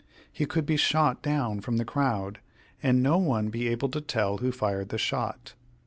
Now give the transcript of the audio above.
He could be shot down from the crowd, and no one be able to tell who fired the shot."